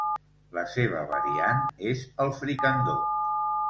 La seva variant és el fricandó.